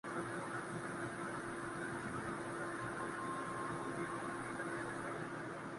Su sede se encuentra en Managua, Nicaragua.